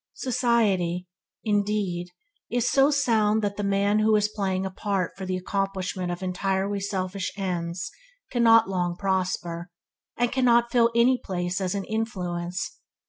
Society, indeed is so sound that the man who is playing a part for the accomplishment of entirely selfish ends cannot long prosper, and cannot fill any place as an influence.